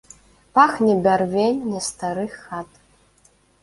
Пахне бярвенне старых хат.